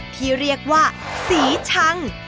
ที่เรียกว่าสีชัง